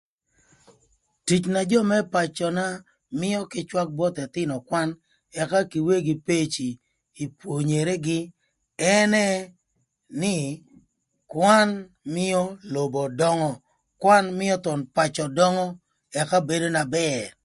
Tic na jö më pacöna mïö kï cwak both ëthïnö kwan ëka kï wegi peci ï pwonyeregï ënë nï kwan mïö lobo döngö, kwan mïö thon pacö döngö ëka bedo na bër.